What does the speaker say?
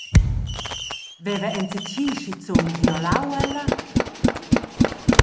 Veva enzatgi schizun violau ella?